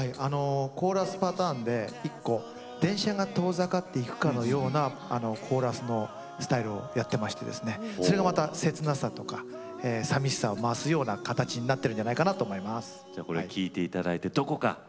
コーラスパターンで電車が遠ざかっていくかのようなコーラスのスタイルをやっていましてそれがまた切なさとかさみしさを増すような形になっているんじゃないかなと思います。